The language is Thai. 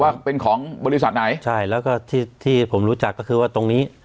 ว่าเป็นของบริษัทไหนใช่แล้วก็ที่ที่ผมรู้จักก็คือว่าตรงนี้